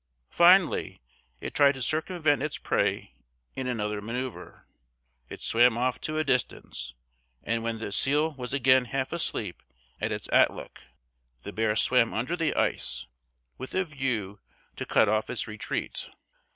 Finally, it tried to circumvent its prey in another maneuver. It swam off to a distance, and when the seal was again half asleep at its atluk, the bear swam under the ice, with a view to cut off its retreat.